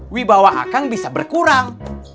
wibawa akang bisa berkurang